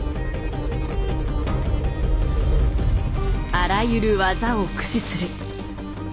あらゆる技を駆使する。